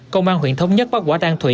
công an huyện thống nhất bắt quả đăng thủy